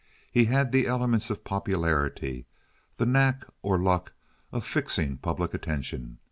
He had the elements of popularity—the knack or luck of fixing public attention.